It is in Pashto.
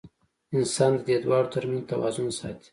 انسان د دې دواړو تر منځ توازن ساتي.